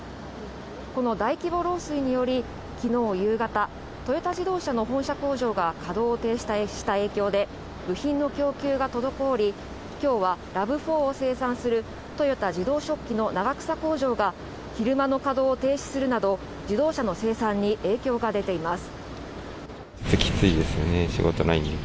この大規模漏水により昨日夕方トヨタ自動車の本社工場が稼働を停止した影響で部品の供給が滞り今日はＲＡＶ４を生産する豊田自動織機の長草工場が昼間の稼働を停止するなど自動車の生産に影響が出ています